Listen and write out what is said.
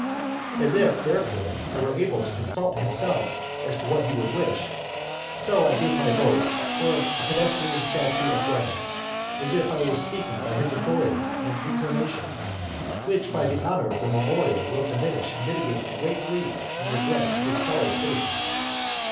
As if, therefore, I were able to consult himself as to what he would wish, so I give my vote for a pedestrian statue of brass, as if I were speaking by his authority and inclination; which by the honour of the memorial will diminish and mitigate the great grief and regret of his fellow citizens.